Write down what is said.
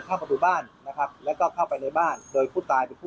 ประตูบ้านนะครับแล้วก็เข้าไปในบ้านโดยผู้ตายเป็นผู้